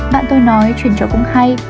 bạn tôi nói chuyển chợ cũng hay